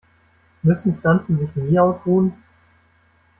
Müssen Pflanzen sich nie ausruhen?